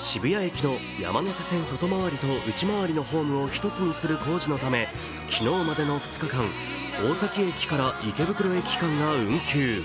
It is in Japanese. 渋谷駅の山手線外回りと内回りのホームを１つにするため昨日までの２日間、大阪駅から池袋駅間が運休。